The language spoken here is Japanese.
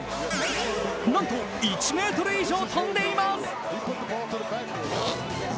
なんと１ｍ以上跳んでいます。